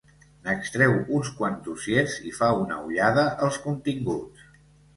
N'extreu uns quants dossiers i fa una ullada als continguts.